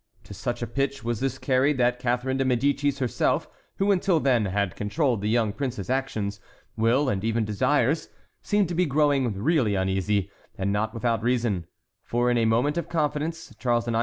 To such a pitch was this carried that Catharine de Médicis herself, who until then had controlled the young prince's actions, will, and even desires, seemed to be growing really uneasy, and not without reason; for, in a moment of confidence, Charles IX.